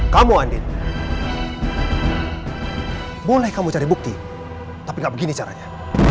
kamu andin boleh kamu cari bukti tapi gak begini caranya